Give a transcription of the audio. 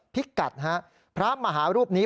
พิกัดฮะพระมหารูปนี้